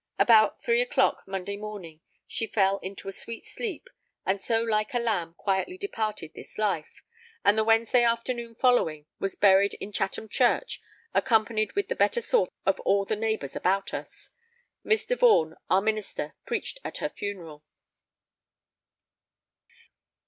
About 3 clock, Monday morning, she fell into a sweet sleep and so like [a] lamb quietly departed this life, and the Wednesday afternoon following was buried in Chatham Church, accompanied with the better sort of all the neighbours about us; Mr. Vaughan, our Minister, preached at her funeral.